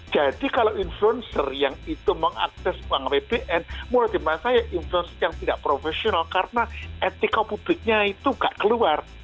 jadi kalau influencer yang itu mengakses uang apbn menurut saya influencer yang tidak professional karena etika publiknya itu tidak keluar